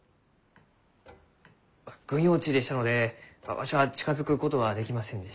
軍用地でしたのでわしは近づくことはできませんでした。